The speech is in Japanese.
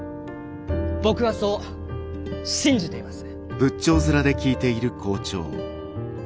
僕はそう信じています。